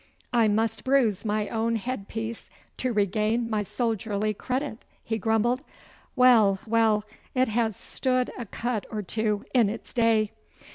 'I must bruise my own headpiece to regain my soldierly credit,' he grumbled. 'Well, well, it has stood a cut or two in its day.